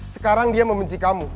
sekarang dia membenci kamu